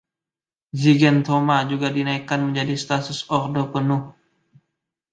Zygentoma juga dinaikkan menjadi status ordo penuh.